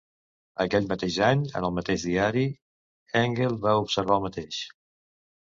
Aquell mateix any, en el mateix diari, Engel va observar el mateix.